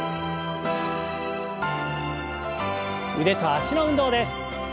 腕と脚の運動です。